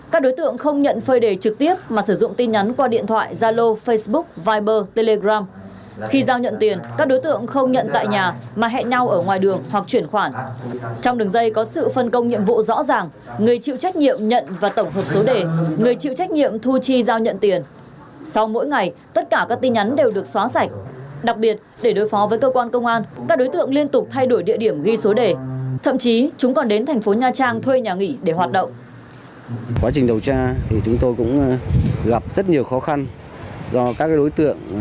cơ quan cảnh sát điều tra công an thị xã long mỹ tỉnh hậu giang đã khởi tố bị can thực hiện lệnh bắt tạm giam đặc biệt để đối phó với cơ quan công an các đối tượng liên tục thay đổi địa điểm ghi số đề thậm chí chúng còn đến thành phố nha trang thuê nhà nghỉ để hoạt động